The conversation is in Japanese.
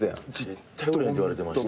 「絶対売れへん」って言われてました。